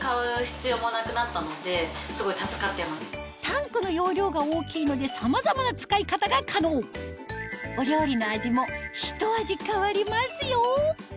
タンクの容量が大きいのでさまざまな使い方が可能お料理の味もひと味変わりますよ！